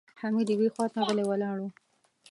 حميد يوې خواته غلی ولاړ و.